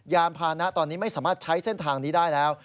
ยานพานะตอนนี้ไม่สามารถใช้เส้นทางนี้ได้แล้ว